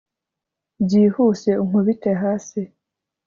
byihuse unkubite hasi